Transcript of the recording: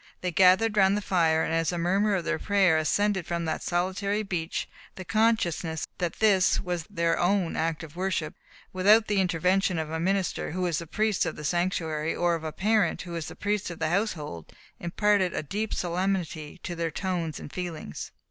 They gathered round the fire; and as the murmur of their prayer ascended from that solitary beach, the consciousness that this was their own act of worship, without the intervention of a minister, who is the priest of the sanctuary, or of a parent, who is the priest of the household, imparted a deep solemnity to their tones and feelings.